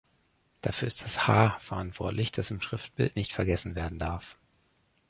Dafür ist das "h" verantwortlich, das im Schriftbild nicht vergessen werden darf.